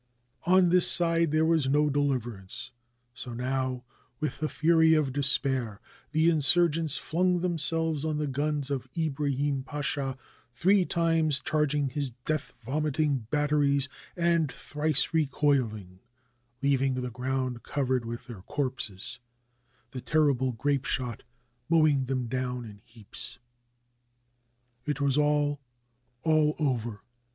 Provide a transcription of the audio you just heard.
On this side there was no deliverance, so now, with the fury of despair, the insurgents flung themselves on the guns of Ibrahim Pasha, three times charging his 526 THE LAST OF THE JANIZARIES death vomiting batteries, and, thrice recoiHng, leaving the ground covered with their corpses, the terrible grapeshot mowing them down in heaps. It was all, all over.